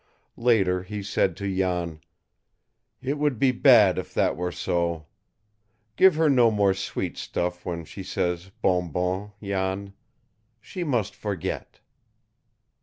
Later he said to Jan: "It would be bad if that were so. Give her no more sweet stuff when she says 'Bonbon,' Jan. She must forget!"